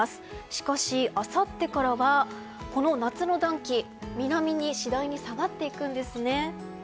しかしあさってからはこの夏の暖気南に次第に下がっていくんですね。